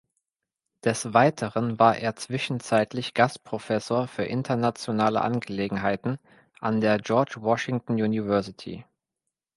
Des Weiteren war er zwischenzeitlich Gastprofessor für Internationale Angelegenheiten an der George Washington University.